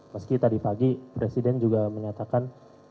meski tadi pagi presiden juga menyatakan